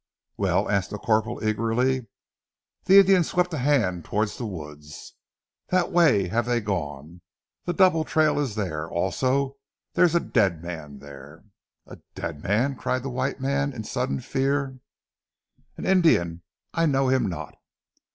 "Well?" asked the corporal eagerly. The Indian swept a hand towards the woods. "That way have they gone. The double trail is there. Also there is a dead man there!" "A dead man?" cried the white man in sudden fear. "An Indian! I know him not!"